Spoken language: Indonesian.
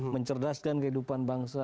mencerdaskan kehidupan bangsa